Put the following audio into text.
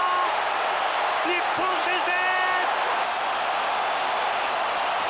日本先制。